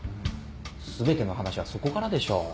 全ての話はそこからでしょう。